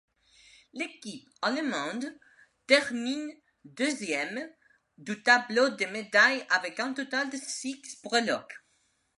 L'équipe allemande termine deuxième du tableau des médailles avec un total de six breloques.